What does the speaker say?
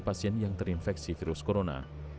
pasien yang terinfeksi virus corona